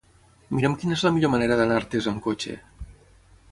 Mira'm quina és la millor manera d'anar a Artés amb cotxe.